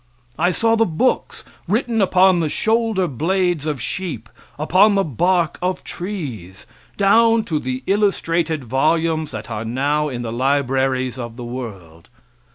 I saw the books, written upon the shoulder blades of sheep, upon the bark of trees, down to the illustrated volumes that are now in the libraries of the world.